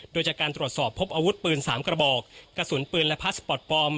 โดยจากการตรวจสอบพบอาวุธปืน๓กระบอกกระสุนปืนและพาสปอร์ตปลอม